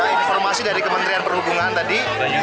informasi dari kementerian perhubungan tadi